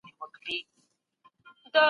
ټولنيز علوم زموږ افکار بدلوي.